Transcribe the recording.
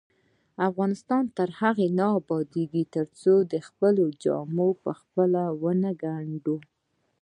افغانستان تر هغو نه ابادیږي، ترڅو خپلې جامې پخپله ونه ګنډو.